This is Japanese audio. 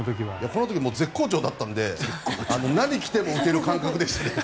この時は絶好調だったので何が来ても打てる感覚でしたね。